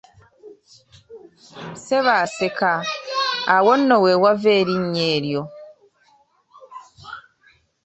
Ssebo aseka, awo nno weewava erinnya eryo.